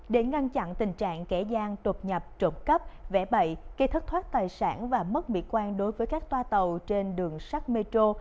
để ngăn chặn tình trạng kẻ gian đột nhập trộm cắp vẽ bậy cây thất thoát tài sản và mất mỹ quan đối với các toa tàu trên đường sắt metro